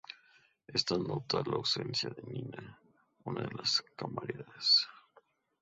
Este nota la ausencia de Nina, una de las camareras.